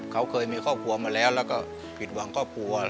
เขาเคยมีครอบครัวมาแล้วแล้วก็ผิดหวังครอบครัว